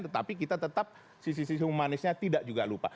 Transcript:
tetapi kita tetap sisi sisi humanisnya tidak juga lupa